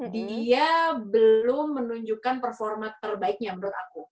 dia belum menunjukkan performa terbaiknya menurut aku